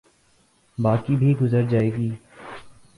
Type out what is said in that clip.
باقی بھی گزر جائے گی۔